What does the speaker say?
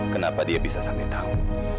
kenapa dia bisa sampai tahu